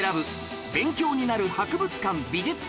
勉強になる博物館・美術館